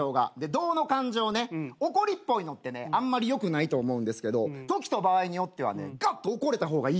「怒」の感情ね怒りっぽいのってあんまりよくないと思うけど時と場合によってはねがっと怒れた方がいいと思う。